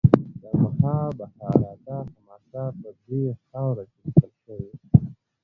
د مهابهاراتا حماسه په دې خاوره کې لیکل شوې.